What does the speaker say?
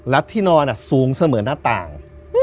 และที่นอนสูงเสมอหน้าต่าง